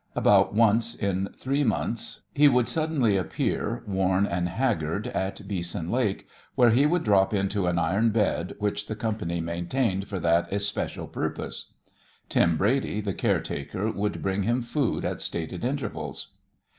About once in three months he would suddenly appear, worn and haggard, at Beeson Lake, where he would drop into an iron bed, which the Company maintained for that especial purpose. Tim Brady, the care taker, would bring him food at stated intervals.